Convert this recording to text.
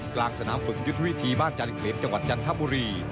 กลางสนามฝึกยุทธวิธีบ้านจันทบุรี